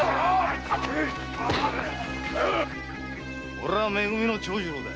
俺はめ組の長次郎だ！